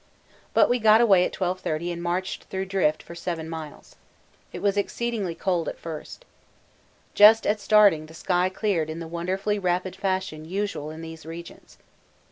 But we got away at 12.30 and marched through drift for 7 miles. It was exceedingly cold at first. Just at starting the sky cleared in the wonderfully rapid fashion usual in these regions.